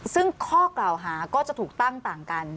ซึ่งข้อกล่าวหาก็จะถูกตั้งต่างกัน